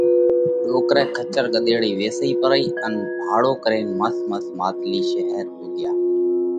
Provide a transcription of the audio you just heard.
ڏوڪرئہ کچر ڳۮيڙئِي ويسئِي پرئي ان ڀاڙو ڪرينَ مس مس ماتلِي شير پُوڳيا۔